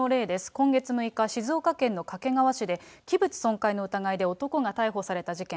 今月６日、静岡県の掛川市で、器物損壊の疑いで男が逮捕された事件。